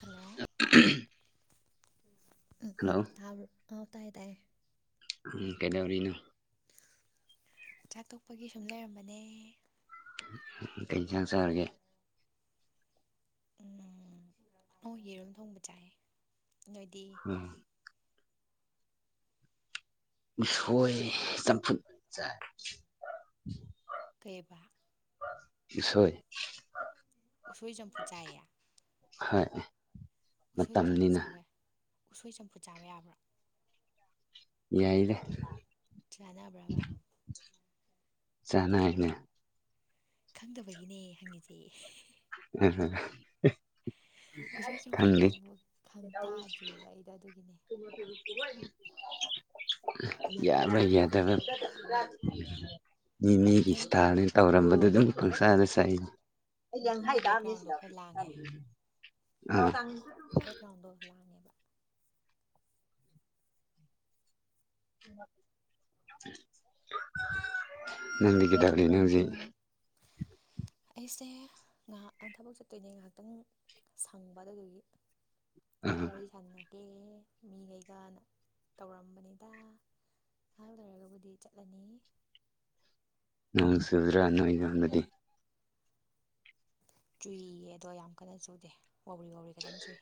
hello ꯎꯝ ꯎꯝ hello ꯇꯥ ꯑꯥ ꯇꯥꯏꯌꯦ ꯇꯥꯏꯌꯦ ꯎ ꯀꯦꯂꯧꯔꯤꯅꯣ ꯆꯥꯛ ꯇꯣꯛꯄꯒꯤ ꯁꯨꯝ ꯂꯩꯔꯝꯕꯅꯦ ꯇꯦꯟꯁꯟ ꯁꯔꯒ ꯎꯝ ꯍ ꯌꯦꯔꯨꯝꯝ ꯊꯣꯡꯕ ꯆꯥꯏ ꯑꯗꯨꯗꯤ ꯎꯝ ꯏꯄ ꯆ ꯀꯩꯕ ꯏꯁꯤꯁꯣꯏ ꯎꯁꯣꯏꯖꯝ ꯐꯨꯖꯥꯏꯌꯦ ꯍꯥꯏ ꯎꯁꯣꯏꯗꯤ ꯆꯝꯐꯨꯠ ꯆꯥꯕ ꯌꯥ ꯎꯁꯣꯏ ꯆꯝꯐꯨꯠ ꯆꯥꯕ ꯌꯥꯕ꯭ꯔꯥ ꯌꯥꯏꯔꯦ ꯌꯥꯅꯕ꯭ꯔꯕ ꯆꯥꯅꯏꯅ ꯈꯪꯗꯕꯒꯤꯅꯦ ꯍꯪꯉꯤꯁꯦ ꯎꯝ ꯎꯁꯣꯏ ꯆꯝꯐꯨꯠꯇꯤ ꯊꯗꯤ ꯑꯃꯨꯛ ꯈꯪ ꯇꯥꯗ꯭ꯔꯤꯕ ꯑꯩꯗꯣ ꯑꯗꯨꯒꯤꯅꯦ ꯌꯥ ꯍꯥꯏ ꯌꯥꯗ ꯅꯤꯅꯦꯒꯤ ꯅꯪ ꯏꯁꯇꯥꯥꯅꯤ ꯇꯧꯔꯝꯕꯗ ꯑꯗꯨꯝ ꯄꯪꯁꯥꯅ ꯆꯥꯏꯅꯤ ꯅꯪꯒꯤ ꯕꯦꯛꯒ꯭ꯔꯥꯎꯟꯗꯣ ꯈꯔ ꯂꯥꯡꯉꯦ ꯆꯥꯡ ꯕꯦꯛꯒ꯭ꯔꯥꯎꯟꯗꯣ ꯂꯥꯡꯉꯦꯕ ꯅꯗꯤ ꯀꯗꯒꯂꯤ ꯅ ꯍꯧꯖꯤ ꯑꯩꯁꯦ ꯉꯥꯏꯍꯥꯛ ꯊꯕꯛ ꯆꯠꯇꯣꯏꯅꯦ ꯉꯥꯏꯍꯥꯛꯇꯪ ꯁꯪꯕ ꯑꯗꯨ ꯑꯗꯨꯒꯤ ꯑꯥ ꯋꯥꯔꯤ ꯁꯥꯟꯅꯩ ꯑꯦ ꯃꯤ ꯀꯩꯒ ꯇꯧꯔꯝꯕꯅꯤꯗ ꯅꯍꯥꯛ ꯂꯩꯔꯒꯕꯨꯗꯤ ꯆꯠꯂꯅꯤ ꯅꯣꯡ ꯆꯨꯗ꯭ꯔꯥ ꯅꯣꯏ ꯌꯣꯟꯕꯗꯤ ꯆꯨꯏꯌꯦ ꯑꯗꯣ ꯌꯥꯝ ꯀꯟꯅ ꯆꯨꯗꯦ ꯋꯥꯎꯔꯤ ꯋꯥꯎꯔꯤ ꯈꯤꯇꯪ ꯆꯨꯏ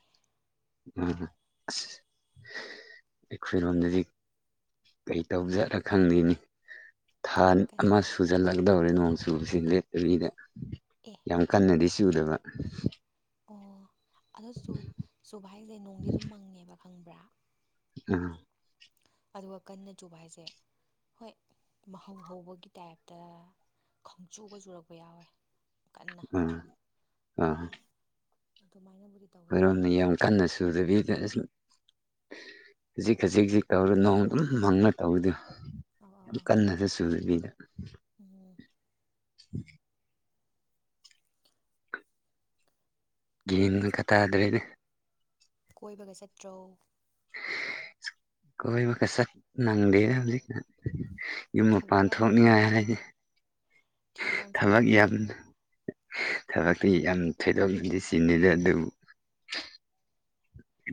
ꯑ ꯑꯦ ꯐꯔ ꯑꯣꯅꯗꯤ ꯀꯩꯇꯧꯖꯠꯔ ꯈꯪꯗꯦꯅꯤ ꯊꯥ ꯑꯃ ꯁꯨꯖꯜꯂꯛꯀꯗꯧꯔꯦ ꯅꯣꯡ ꯆꯨꯁꯤꯡꯗꯤ ꯅꯨꯕꯤꯗ ꯑꯦ ꯌꯥꯝ ꯀꯟꯅꯗꯤ ꯆꯨꯗꯕ ꯑꯣ ꯑꯗꯣ ꯆꯨꯕ ꯍꯥꯏꯁꯦ ꯅꯣꯡꯗꯤ ꯑꯗꯨꯝ ꯃꯪꯉꯦꯕ ꯈꯪꯕ꯭ꯔꯥ ꯎꯝ ꯑꯗꯨꯒ ꯀꯟꯅ ꯆꯨꯕ ꯍꯥꯏꯁꯦ ꯍꯣꯏ ꯃꯍꯧ ꯍꯧꯕꯒꯤ ꯇꯥꯏꯞꯇ ꯈꯣꯡꯆꯨꯒ ꯆꯨꯔꯛꯄ ꯌꯥꯎꯋꯦ ꯀꯟꯅ ꯑꯥ ꯑꯥ ꯑꯗꯨꯃꯥꯏꯅꯕꯨꯗꯤ ꯇꯧꯋꯦ ꯑꯗꯨꯒ ꯑꯩꯣꯏꯔꯣꯝꯅ ꯑꯗꯨꯝ ꯌꯥꯝ ꯀꯟꯅ ꯁꯨꯗꯕꯤꯗ ꯑꯁ ꯈꯖꯤꯛ ꯈꯖꯤꯛ ꯈꯖꯤꯛ ꯇꯧꯔ ꯅꯣꯡ ꯑꯗꯨꯝ ꯃꯪꯅ ꯇꯧꯔꯤꯗ ꯌꯥꯝ ꯀꯟꯅꯁꯦ ꯁꯨꯕꯤꯗ ꯑꯣ ꯀꯣꯏꯕꯒ ꯒ꯭ꯌꯥꯟꯒ ꯆꯠꯇ꯭ꯔꯣ ꯇꯥꯗ꯭ꯔꯦꯗ ꯀꯣꯏꯕꯒ ꯆꯠꯇ꯭ꯔꯣ ꯀꯣꯏ ꯃꯈ ꯀ ꯆ ꯅꯪꯗꯦꯖꯤ ꯌꯨꯝ ꯊꯕꯛ ꯃꯄꯥꯟ ꯌꯥꯝ ꯊꯣꯛꯅꯤꯉꯥꯏ ꯍꯥꯏꯗꯤꯦ ꯌꯥꯝ ꯊꯕꯛ ꯆꯤꯟꯕꯒꯤ ꯌꯥꯝ ꯊꯕꯛꯇꯤ ꯌꯥꯝ ꯊꯣꯏꯗꯣꯛꯅꯗꯤ ꯆꯤꯟꯅꯤꯗ ꯑꯗꯨꯕꯨ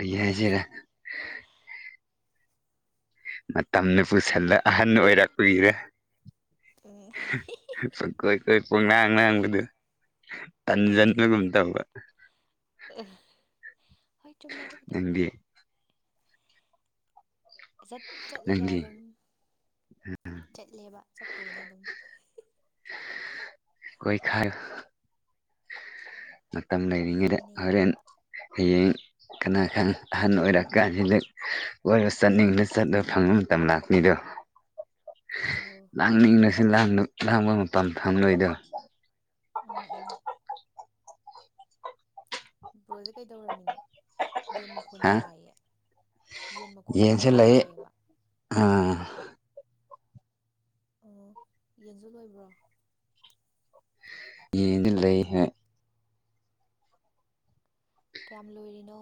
ꯑ ꯌꯥꯁꯤꯔ ꯃꯇꯝꯅ ꯄꯨꯁꯤꯜꯂ ꯑꯍꯟ ꯑꯣꯏꯔꯛꯄꯒꯤꯔ ꯎꯝ ꯄꯀꯣꯏ ꯀꯣꯏ ꯄꯣꯛꯅꯥꯥꯡ ꯉꯥꯡꯕꯗꯨ ꯇꯟꯖꯟꯕꯒꯨꯝ ꯇꯧꯕ ꯍꯣꯏ ꯆꯨꯝꯃꯦꯗꯨꯗꯤ ꯅꯪꯗꯤ ꯆꯠ ꯆꯠꯂꯦꯗ ꯅꯪꯗꯤ ꯑꯗꯨꯝ ꯆꯠꯂꯦꯕ ꯆꯠꯇꯣꯏꯅꯦ ꯑꯗꯨꯝ ꯀꯣꯏ ꯈꯥꯏ ꯃꯇꯝ ꯃꯥꯅꯦ ꯂꯩꯅꯤꯡꯉꯗꯔ ꯍꯌꯦꯡ ꯀꯅꯥ ꯈꯪ ꯑꯍꯟ ꯑꯣꯏꯔꯛꯀꯥꯟ ꯍꯗꯛ ꯑꯣꯏꯔꯣ ꯆꯠꯅꯤꯡꯗ ꯆꯠꯂꯣ ꯐꯪꯕ ꯃꯇꯝ ꯂꯥꯛꯅꯤꯗꯣ [inaudible] ꯑꯥꯎ ꯂꯥꯡꯅꯤꯡꯂꯁꯨ ꯂꯥꯡꯕ ꯃꯄꯥꯟ ꯐꯝꯂꯣꯏꯗꯕ ꯑꯥ ꯑꯥ ꯕ꯭ꯔꯣꯁꯦ ꯀꯩꯗꯧꯔꯝꯃꯤꯅꯣ ꯌꯦꯟ ꯍꯥ ꯃꯈꯣꯜꯁꯨ ꯇꯥꯏꯌꯦ ꯌꯦꯟ ꯃꯈꯣꯜꯂ ꯌꯦꯟꯁꯨ ꯀꯩꯅꯣꯝꯨ ꯂꯩ ꯇꯥꯏꯌꯦꯕ ꯑꯥ ꯑꯣ ꯌꯦꯟꯁꯨ ꯂꯣꯏꯕ꯭ꯔꯣ ꯌꯦꯗꯤ ꯂꯩꯍꯦ ꯀꯌꯥꯝ ꯂꯣꯏꯔꯤꯅꯣ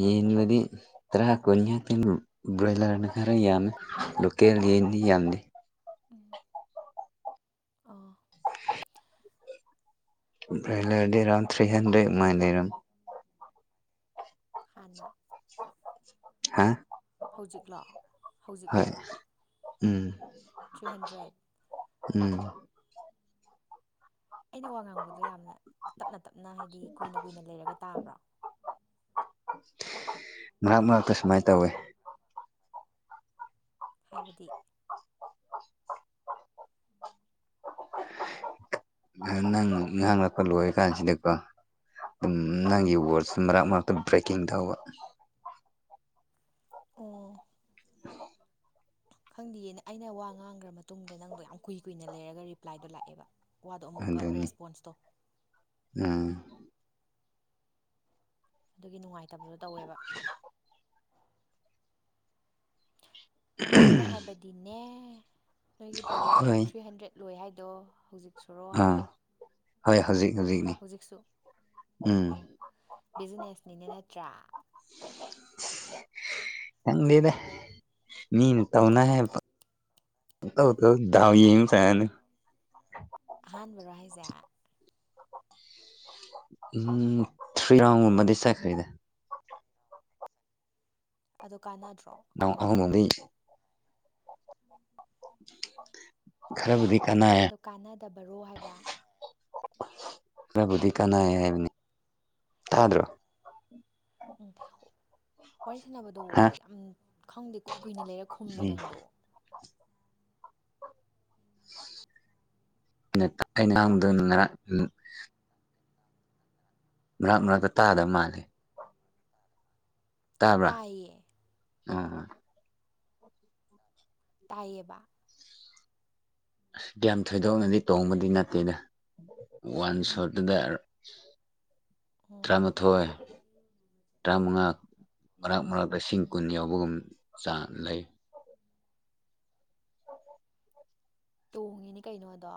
ꯌꯦꯟ ꯃꯗꯤ ꯇꯔꯀ ꯕꯣꯣꯏꯂꯔꯅ ꯈꯔ ꯌꯥꯝꯃꯦ ꯂꯣꯀꯦꯜ ꯌꯦꯗꯤ ꯌꯥꯝꯗꯤꯦ ꯎꯝ ꯑꯣ [inaudible] ꯂꯩꯗꯤ ꯑꯦꯔꯥꯎꯟ ꯊ꯭ꯔꯤ ꯍꯟꯥꯟꯗ꯭ꯔꯦꯗ ꯃ ꯂꯩꯔꯝ ꯍꯅ ꯍꯥꯦ ꯍꯧꯖꯤꯛꯂꯣ ꯍꯧꯖꯤꯛꯂꯕ ꯎꯝ ꯊ꯭ꯔꯤ ꯍꯟꯗ꯭ꯔꯦꯠ ꯎꯝ ꯑꯩꯅ ꯋꯥ ꯉꯥꯡꯕꯗꯣ ꯌꯥꯝꯅ ꯇꯞꯅ ꯇꯞꯅ ꯍꯥꯏꯗꯤ ꯀꯨꯏꯅ ꯀꯨꯏꯅ ꯂꯩꯔꯒ ꯇꯥꯕ꯭ꯔꯣ ꯃꯔꯛ ꯃꯔꯛꯇ ꯁꯨꯃꯥꯏꯅ ꯇꯧꯋꯤ ꯍꯥꯏꯕꯗꯤ ꯅꯪ ꯉꯍꯥꯡ ꯂꯛꯄ ꯂꯣꯏ ꯀꯥꯟꯁꯤꯗꯤꯀꯣ ꯑꯗꯨꯝ ꯎꯝ ꯅꯪꯒꯤ ꯋꯥꯔꯗꯁ ꯃꯔꯛ ꯃꯔꯛꯇ ꯕ꯭ꯔꯦꯛꯀꯤꯡ ꯇꯧꯕ ꯑꯣ ꯑꯣ ꯈꯪꯗꯌꯦꯅ ꯑꯩꯅ ꯋꯥ ꯉꯥꯡꯈ꯭ꯔ ꯃꯇꯨꯡꯗ ꯅꯪꯗꯣ ꯌꯥꯝ ꯀꯨꯏ ꯀꯨꯏꯅ ꯂꯩꯔꯒ ꯔꯤꯄ꯭ꯂꯥꯏꯗꯣ ꯂꯥꯛꯑꯦꯕ ꯋꯥꯗꯣ ꯑꯃꯨꯛꯀ ꯑꯗꯨꯅꯤ ꯔꯦꯁꯄꯣꯟꯁ ꯇꯧ ꯎꯝ ꯑꯗꯨꯒꯤ ꯅꯨꯡꯉꯥꯏꯇꯕꯗꯣ ꯇꯧꯋꯦꯕ ꯑꯩꯅ ꯍꯥꯏꯕꯗꯤꯅꯦ ꯅꯣꯏꯒꯤ ꯕ꯭ꯔꯣꯏꯂꯔꯗꯪ ꯍꯣꯏ ꯊ꯭ꯔꯤ ꯍꯟꯗ꯭ꯔꯦꯠ ꯂꯣꯏ ꯍꯥꯏꯗꯣ ꯍꯧꯖꯤꯛ ꯁꯣꯔꯣ ꯑꯥ ꯍꯥꯏꯕ ꯍꯣꯏ ꯍꯧꯖꯤꯛ ꯍꯧꯖꯤꯛ ꯍꯧꯖꯤꯛꯁꯨ ꯑꯣ ꯕꯤꯖꯤꯅꯦꯁꯅꯤꯅ ꯅꯠꯇ꯭ꯔꯥ ꯆꯪ ꯂꯩꯗ ꯃꯤ ꯅ ꯇꯧꯅꯥ ꯍꯦ ꯗꯥꯎ ꯌꯦꯃꯤ ꯐꯅ ꯍꯥꯟꯕꯥꯟꯕꯔꯣ ꯍꯥꯏꯁꯦ ꯎꯝ ꯊ꯭ꯔꯤ ꯔꯥꯎ ꯃꯗꯤ ꯆꯥꯏ ꯈꯔꯤꯗꯦ ꯑꯗꯨ ꯀꯥꯟꯅꯗ꯭ꯔꯣ ꯔꯥꯎꯟ ꯀꯥꯟꯅꯗꯕ꯭ꯔꯣ ꯑꯍꯨꯝꯒꯨꯝꯕꯗꯤ ꯈꯔꯗꯤ ꯀꯥꯟꯅ ꯑꯗꯣ ꯀꯥꯟꯅꯗꯕꯔꯣ ꯍꯥꯏꯕ ꯈꯔꯕꯨꯗꯤ ꯀꯅꯥ ꯍꯥꯏꯕꯅꯤ ꯇꯥꯗ꯭ꯔꯣ ꯎꯝ ꯋꯥꯔꯤ ꯁꯥꯟꯅꯕꯗꯣ ꯍꯥ ꯌꯥꯝ ꯈꯪꯗꯦ ꯀꯨꯏ ꯀꯨꯏꯅ ꯂꯩꯔꯛ ꯈꯨꯝꯃꯦ ꯎꯝ ꯅꯪꯗꯣ ꯑ ꯅꯍꯥꯡꯗ ꯃꯅꯥꯛ ꯃꯅꯥꯛꯇ ꯇꯥꯗꯕ ꯃꯥꯜꯂꯦ ꯇꯥꯕ꯭ꯔꯥ ꯇꯥꯏꯌꯦ ꯎꯝꯣꯏ ꯇꯥꯏꯌꯦꯕ ꯑꯁ ꯒ꯭ꯌꯥꯝ ꯊꯣꯏꯗꯣꯛꯅꯗꯤ ꯇꯣꯡꯕꯗꯤ ꯅꯠꯇꯦꯗ ꯋꯥꯟ ꯁꯇꯗꯔ ꯎꯝ ꯇꯔꯥꯃꯥꯊꯣꯏ ꯇꯔꯥꯃꯉꯥ ꯃꯔꯛ ꯃꯔꯛ ꯂꯤꯁꯤꯡ ꯎꯝ ꯀꯨꯟ ꯌꯥꯎꯕꯒꯨꯝ ꯆꯥꯡ ꯂꯩ ꯇꯣꯡꯉꯤꯅꯦ ꯀꯩꯅꯣꯗꯣ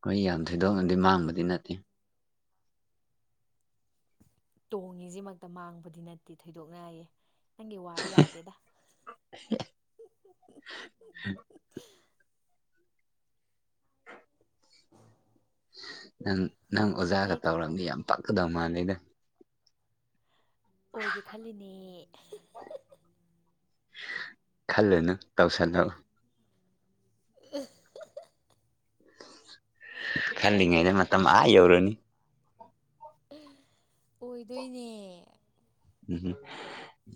ꯑꯩꯈꯣꯏ ꯌꯥꯝ ꯊꯣꯏꯗꯣꯛꯅꯗꯤ ꯃꯥꯡꯕꯗꯤ ꯅꯠꯇꯦ ꯇꯣꯡꯉꯤꯁꯤꯃꯛꯇ ꯃꯥꯡꯕꯗꯤ ꯅꯠꯇꯦ ꯊꯣꯏꯗꯣꯛꯅꯌꯦ ꯅꯪꯒꯤ ꯋꯥꯗꯣ ꯌꯥꯗꯦꯗ ꯑ ꯅꯪ ꯅꯪ ꯑꯣꯖꯥꯒ ꯑꯇꯩ ꯇꯧꯔꯕꯝꯅꯤ ꯌꯥꯝ ꯄꯛꯀꯗꯧ ꯃꯥꯂꯩꯗ ꯑꯣꯏꯒꯦ ꯈꯜꯂꯤꯅꯦ ꯈꯜꯂꯅ ꯇꯥꯎꯁꯅ ꯑ ꯈꯜꯂꯤꯉꯩꯗ ꯃꯇꯝ ꯑꯥ ꯌꯧꯔꯨꯅꯤ ꯑꯣꯏꯗꯣꯏꯅꯦ ꯎꯝ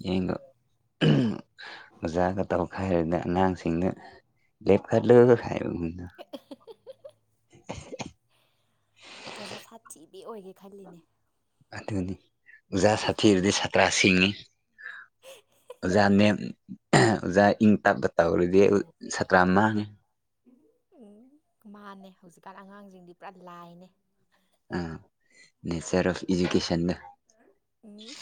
ꯌꯦꯡꯒ ꯑꯣꯖꯒ ꯇꯧ ꯈꯔꯗ ꯑꯉꯥꯡꯁꯤꯡꯗ ꯂꯦꯞꯈꯠꯂꯨ ꯍꯥꯏꯕꯒꯨꯝꯗ ꯍ ꯑꯣꯖꯥ ꯁꯥꯊꯤꯕꯤ ꯑꯣꯏꯒꯦ ꯈꯜꯂꯤꯅꯦ ꯑꯗꯨꯅꯤ ꯑꯣꯖꯥ ꯁꯥꯇꯤꯗꯤ ꯁꯥꯇ꯭ꯔꯥ ꯁꯦꯉꯤ ꯖꯅꯦ ꯑꯣꯖꯥ ꯏꯪ ꯇꯞꯇꯞ ꯇꯧꯔꯗꯤ ꯑꯩ ꯁꯥꯇ꯭ꯔꯥ ꯃꯥꯡꯉꯦ ꯃꯥꯟꯅꯩ ꯍꯧꯖꯤꯛꯀꯥꯟ ꯑꯉꯥꯡꯁꯤꯡꯗꯤ ꯄꯨꯔꯥ ꯂꯥꯏꯅꯦ ꯑ ꯅꯦꯆꯔ ꯑꯣꯐ ꯏꯖꯨꯀꯦꯁꯟ ꯍ ꯎꯝ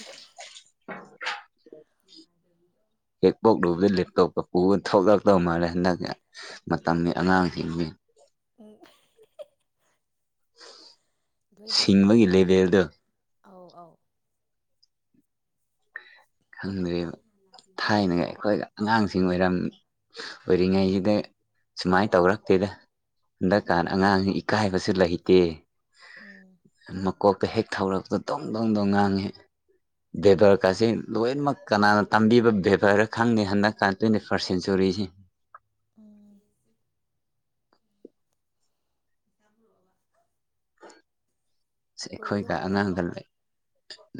ꯌꯥ ꯑꯗꯨ ꯍꯦꯛ ꯄꯣꯛꯂꯨꯕꯗ ꯂꯦꯞꯇꯣꯞꯇ ꯄꯨꯕ ꯊꯣꯛꯧꯂꯛꯇꯧ ꯃꯥꯜꯂꯦ ꯍꯟꯗꯛꯀꯤ ꯃꯇꯝꯒꯤ ꯑꯉꯥꯡꯁꯤꯡꯁꯤ ꯎꯝ ꯂꯣꯏ ꯁꯤꯡꯕꯒꯤ ꯍꯩꯕꯅꯦꯕ ꯃꯣꯏꯗꯣ ꯂꯦꯚꯦꯜꯗꯣ ꯑꯧ ꯑꯧ ꯈꯪꯗ꯭ꯔꯤꯕ ꯊꯥꯏꯅꯒ ꯑꯩꯈꯣꯏꯒ ꯑꯉꯥꯡꯁꯤꯡ ꯑꯣꯏꯔꯝꯃꯤ ꯑꯣꯏꯔꯤꯉꯩꯁꯤꯗ ꯁꯨꯃꯥꯏꯅ ꯇꯧꯔꯛꯇꯦꯗ ꯍꯟꯗꯛꯀꯥꯟ ꯑꯉꯥꯡ ꯏꯀꯥꯏꯕꯁꯨ ꯂꯩꯇꯦ ꯑꯣꯝ ꯃꯀꯣꯛꯇ ꯍꯦꯛ ꯊꯧꯔꯛꯄꯗ ꯇꯣꯡ ꯇꯧꯗꯧ ꯉꯥꯡꯉꯤ ꯗꯦꯕꯔ ꯍꯣꯏ ꯀꯥꯥꯁ ꯂꯣꯏꯅꯃꯛ ꯀꯅꯥꯅ ꯇꯝꯕꯤꯕ ꯕꯦꯕꯔ ꯈꯪꯗꯦ ꯍꯟꯗꯛꯀ ꯇ꯭ꯋꯦꯟꯇꯤ ꯐꯥꯔꯁꯠ ꯁꯦꯟꯆꯨꯔꯤꯁꯤꯦ ꯑꯥ ꯌꯥꯝ꯭ꯔꯣꯕ ꯑꯩꯈꯣꯏꯒ ꯌꯨꯝꯗꯤ ꯑꯉꯥꯡꯒ ꯂꯩ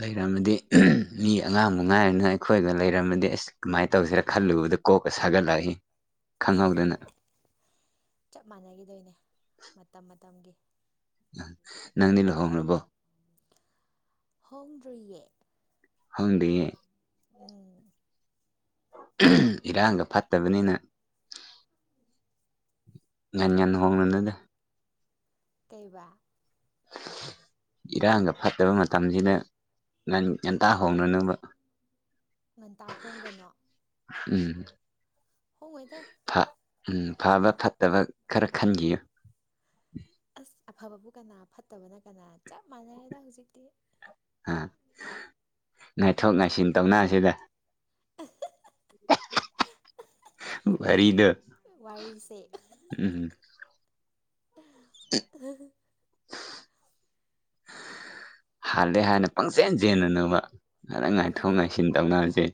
ꯂꯩꯔꯝꯃꯗꯤ ꯃꯤ ꯑꯉꯥꯡꯕ ꯎꯝ ꯉꯥꯏꯔ‌ꯦꯅ‌ꯦ ꯑꯩꯈꯣꯏꯒ ꯂꯩꯔꯝꯃꯗꯤ ꯑꯁ ꯀꯃꯥꯏꯅ ꯇꯧꯁꯤꯔꯥ ꯈꯜꯂꯨꯕꯗ ꯀꯣꯛꯀ ꯁꯥꯒꯠꯂꯛꯏ ꯈꯪꯍꯧꯗꯅ ꯆꯞ ꯃꯥꯟꯅꯈꯤꯗꯣꯏꯅꯦ ꯃꯇꯝ ꯃꯇꯝꯒꯤ ꯅꯪꯗꯤ ꯂꯨꯍꯣꯡꯔꯕꯣ ꯍꯣꯡꯗ꯭ꯔꯤꯌꯦ ꯈꯪꯗꯦ ꯎꯝ ꯏꯔꯥꯡꯒ ꯐꯠꯇꯕꯅꯤꯅ ꯉꯟꯅ ꯉꯟꯅ ꯍꯣꯡꯂꯨꯅꯨꯗ ꯀꯩꯕ ꯏꯔꯥꯡꯒ ꯐꯠꯇꯕ ꯃꯇꯝꯖꯤꯗ ꯉ ꯉꯟꯇꯥ ꯍꯣꯡꯔꯨꯅꯨꯕ ꯉꯟꯇꯥ ꯍꯣꯡꯒꯅꯣ ꯎꯝ ꯍꯣꯡꯉꯣꯏꯗ ꯐ ꯎꯝ ꯐꯕ ꯐꯠꯇꯕ ꯈꯔ ꯈꯟꯈꯤꯌꯨ ꯑꯁ ꯑꯐꯕꯕꯨ ꯀꯅꯥ ꯐꯠꯇꯕꯅ ꯀꯅꯥ ꯆꯞ ꯃꯥꯟꯅꯔꯦꯗ ꯍꯧꯖꯤꯛꯇꯤ ꯑ ꯉꯥꯏꯊꯣꯛ ꯉꯥꯏꯁꯤꯟ ꯇꯧꯅ ꯁꯤꯗ [unintelligible] [unintelligible] ꯋꯥꯔꯤꯗ‌ꯣ ꯋꯥꯔꯤꯁꯦ ꯎꯝ [unintelligible] ꯍꯥꯜꯂꯦ ꯍꯥꯏꯅ ꯄꯪꯆꯦꯟ ꯆꯦꯟꯒꯅꯨꯕ ꯉꯥꯛꯗ ꯎꯝ ꯉꯥꯏꯊꯣꯛ ꯎꯝ ꯉꯥꯏꯁꯤꯟ ꯇꯧꯅꯁꯦ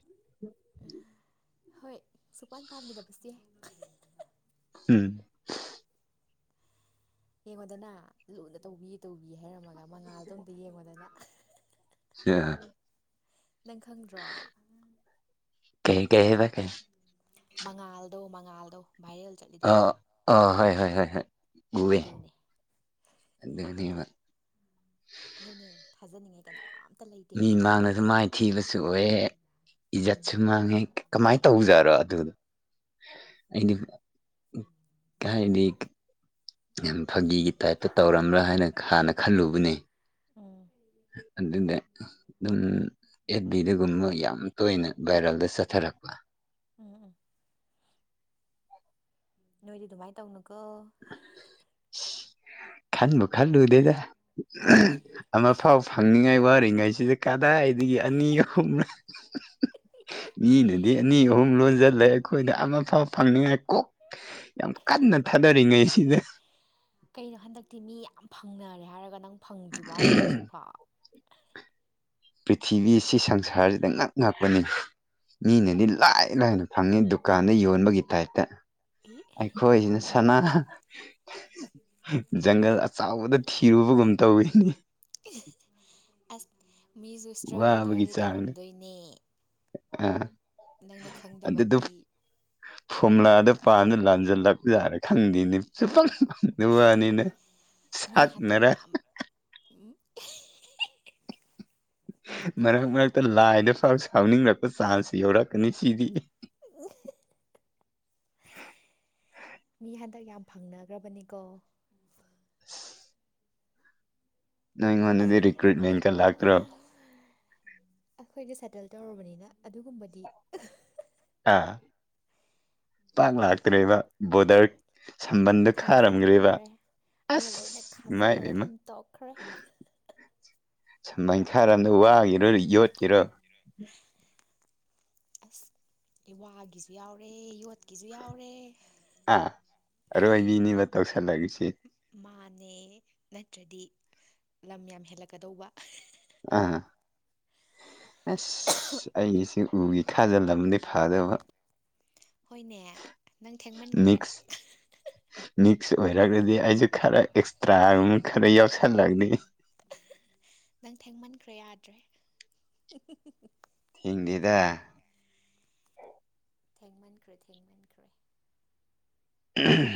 ꯍꯣꯏ ꯁꯨꯛꯄꯥꯟ ꯄꯥꯟꯈꯤꯗꯕꯁꯦ ꯎꯝ ꯌꯦꯡꯉꯣꯗꯅ ꯂꯨꯅ ꯇꯧꯕꯤ ꯇꯧꯕꯤ ꯍꯥꯏꯔꯝꯃꯒ ꯃꯉꯥꯜꯗꯣ ꯑꯝꯇ ꯌꯦꯡꯉꯣꯗꯅ ꯁꯤꯌꯥ ꯅꯪ ꯈꯪꯗ꯭ꯔꯣ ꯀꯩ ꯀꯩ ꯍꯥꯏꯕ ꯀꯩ ꯃꯉꯥꯜꯗꯣ ꯃꯉꯥꯜꯗꯣ ꯚꯥꯏꯔꯦꯜ ꯆꯠꯂꯤꯗꯣ ꯑꯥ ꯍꯣꯏ ꯍꯣꯏ ꯍꯣꯏ ꯍꯣꯏ ꯎꯋꯦ ꯑꯗꯨꯅꯦ ꯑꯗꯨꯅꯤꯕ ꯑꯗꯨꯅꯦ ꯊꯥꯖꯅꯤꯡꯉꯥꯏ ꯀꯅꯥ ꯃꯤ ꯃꯥꯡꯉꯁꯨ ꯃꯥꯏꯊꯤꯕꯁꯨ ꯑꯣꯏꯑꯦ ꯎꯝ ꯏꯖꯠꯁꯨ ꯃꯥꯡꯉꯦ ꯀꯃꯥꯏꯅ ꯇꯧꯖꯥꯔꯣ ꯑꯗꯨꯗꯣ ꯑꯩꯗꯤ [unintelligible] ꯀꯥꯏꯗꯤ ꯌꯥꯝ ꯐꯥꯒꯤꯒꯤ ꯇꯥꯏꯞꯇ ꯇꯧꯔꯝꯕ꯭ꯔꯥ ꯍꯥꯏꯅ ꯍꯥꯟꯅ ꯈꯜꯂꯨꯕꯅꯦ ꯑꯣ ꯑꯗꯨꯅꯦ ꯑꯗꯨꯝ ꯑꯦꯠꯕꯤꯗꯒꯨꯝꯕ ꯌꯥꯝ ꯇꯣꯏꯅ ꯚꯥꯏꯔꯦꯜꯗ ꯆꯠꯊꯔꯛꯄ ꯎꯝ ꯎꯝ ꯅꯣꯏꯗꯤ ꯑꯗꯨꯃꯥꯏꯟ ꯇꯧꯅꯨꯀꯣ ꯈꯥꯟꯕꯨ ꯈꯜꯂꯨꯗꯦꯗ ꯑꯃꯐꯥꯎ ꯐꯪꯅꯤꯡꯉꯥꯏ ꯋꯥꯔꯤꯉꯩꯁꯤꯗ ꯀꯗꯥꯏꯗꯒꯤ ꯑꯅꯤ ꯑꯍꯨꯝꯔ ꯃꯤꯅꯗꯤ ꯑꯅꯤ ꯑꯍꯨꯝ ꯂꯣꯟꯖꯜꯂꯦ ꯑꯩꯈꯣꯏꯗ ꯑꯃꯐꯥꯎ ꯐꯪꯅꯤꯡꯉꯥꯏ ꯀꯣꯛ ꯌꯥꯝ ꯀꯟꯅ ꯊꯥꯗꯔꯤꯉꯩ ꯁꯤꯗ ꯀꯩꯅꯣ ꯍꯟꯗꯛꯇꯤ ꯃꯤ ꯌꯥꯝ ꯐꯪꯅꯔꯦ ꯍꯥꯏꯔꯒ ꯅꯪ ꯐꯪꯗ꯭ꯔꯤꯕ‌ꯣ ꯍꯥꯏꯖ‌ꯦ ꯍꯧꯖꯤꯛꯐꯥꯎ ꯄ꯭ꯔꯤꯊꯤꯕꯤ ꯑꯁꯤ ꯁꯪꯁꯥꯔꯁꯤꯗ ꯉꯛ ꯉꯛꯄꯅꯤ ꯃꯤꯅꯗꯤ ꯂꯥꯏ ꯂꯥꯏꯅ ꯐꯪꯉꯤꯗꯨ ꯀꯥꯟꯗ ꯌꯣꯟꯕꯒꯤ ꯇꯥꯏꯞꯇ ꯑꯦ ꯑꯩꯈꯣꯏꯁꯤꯅ ꯁꯅꯥ ꯖꯪꯒꯜ ꯑꯆꯥꯎꯕꯗ ꯊꯤꯔꯨꯕꯒꯨꯝ ꯇꯧꯋꯤꯅꯤ ꯑꯁ ꯃꯤꯁꯨ ꯏꯁꯇ꯭ꯔꯒꯜ ꯈꯔꯗꯤ ꯇꯧꯔꯝꯗꯣꯏꯅꯦ ꯑ ꯅꯪꯅ ꯈꯪꯗꯕꯒꯤ ꯐꯣꯝꯂꯥꯗ ꯄꯥꯟꯗ ꯂꯥꯟꯁꯤꯜꯂꯛꯄ ꯌꯥꯔꯦ ꯈꯪꯗꯦꯅꯤ ꯆꯪ ꯅꯤ ꯃꯤ ꯍꯟꯗꯛ ꯁꯠꯅꯔꯥ ꯌꯥꯝ ꯎꯝ ꯃꯔꯛ ꯃꯔꯛꯇ ꯂꯥꯏꯗ ꯐꯥꯎ ꯁꯥꯎꯅꯤꯡꯉꯛꯄ ꯆꯥꯟꯁ ꯌꯧꯔꯛꯀꯅꯤ ꯁꯤꯗꯤ ꯎꯝ ꯃꯤ ꯍꯟꯗꯛ ꯌꯥꯝ ꯐꯪꯅꯈ꯭ꯔꯕꯅꯤꯀꯣ ꯄꯨꯐꯜ ꯅꯣꯏ ꯑꯩꯉꯣꯟꯗꯗꯤ ꯔꯤꯀ꯭ꯔꯨꯏꯠꯃꯦꯟꯀ ꯂꯥꯛꯇ꯭ꯔꯣ ꯑꯩꯈꯣꯏꯗꯤ ꯁꯦꯇꯜ ꯇꯧꯔꯨꯕꯅꯤꯅ ꯑꯗꯨꯒꯨꯝꯕꯗꯤ ꯑ ꯇꯥꯡ ꯂ ꯂꯥꯛꯇꯔꯦ ꯏꯅ ꯣꯗꯔ ꯁꯝꯕꯟꯗ ꯈꯥꯔꯝꯈ꯭ꯔꯦꯕ ꯈꯥꯖꯤꯟꯈꯔꯦ ꯑꯩꯅ ꯑꯁ ꯂꯣꯏꯅ ꯈꯥꯖꯤꯜꯂꯒ ꯏꯃꯥꯏꯕꯃ ꯊꯝ ꯇꯣꯛꯈ꯭ꯔꯦ ꯁꯨꯃꯥꯏ ꯊꯥꯔꯝꯗ ꯋꯥꯈꯤꯔꯣ ꯌꯣꯠꯈꯤꯔꯣ ꯑꯗꯨꯔ ꯋꯥꯒꯤꯁꯨ ꯌꯥꯎꯔꯦ ꯌꯣꯠꯀꯤꯁꯨ ꯌꯥꯎꯔꯦ ꯑꯥ ꯑꯔꯣꯏꯕꯤꯅꯤꯕ ꯇꯧꯁꯜꯂꯛꯏꯁꯤ ꯃꯥꯅꯦ ꯅꯠꯇ꯭ꯔꯗꯤ ꯂꯝ ꯌꯥꯝ ꯍꯦꯜꯂꯛꯀꯗꯧꯕ ꯑ ꯑꯁ ꯑꯩꯒꯤꯁꯦ ꯎꯒꯤ ꯈꯥꯖꯜ ꯑꯃꯗꯤ ꯐꯗꯕ ꯍꯣꯏꯅꯦ ꯅꯪ ꯊꯦꯡꯃꯟꯈ꯭ꯔꯦ ꯃꯤꯛꯁ ꯃꯤꯛꯁ ꯑꯣꯏꯔꯒꯗꯤ ꯑꯩꯁꯨ ꯈꯔ ꯑꯦꯛꯁꯇ꯭ꯔꯥꯒꯨꯝ ꯈꯔ ꯌꯥꯎꯁꯜꯂꯛꯒꯅꯤ ꯅꯪ ꯊꯦꯡꯃꯟꯈ꯭ꯔꯦ ꯌꯥꯗ꯭ꯔꯦ ꯊꯤꯡꯂꯤꯗ ꯊꯦꯡꯃꯟꯈ꯭ꯔꯦ ꯊꯦꯡꯃꯟꯈ꯭ꯔꯦ ꯎ